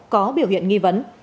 có biểu hiện nghi vấn